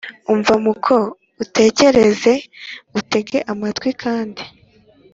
Umva mukobwa utekereze utege ugutwi Kandi